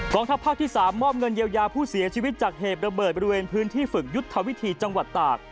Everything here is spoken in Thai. ทัพภาคที่๓มอบเงินเยียวยาผู้เสียชีวิตจากเหตุระเบิดบริเวณพื้นที่ฝึกยุทธวิธีจังหวัดตาก